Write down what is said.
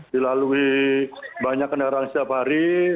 dilalui banyak kendaraan setiap hari